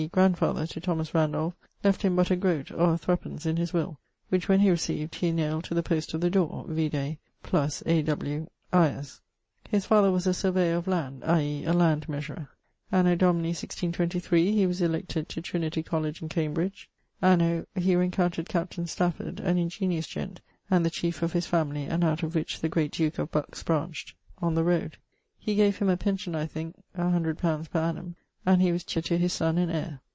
e. grandfather to Thomas Randolph) left him but a groat or 3_d._ in his will, which when he recieved he nailed to the post of the dore vide + A. W. lres. His father was a surveyor of land, i.e. a land measurer. Anno Domini <1623> he was elected to Trinity College in Cambridge. Anno ... he rencountred captain Stafford (an ingeniose gent. and the chiefe of his family, and out of which the great duke of Bucks brancht) on the roade.... He gave him a pension of I thinke C_ˡⁱ_. per annum, and he was tutor to his son and heir.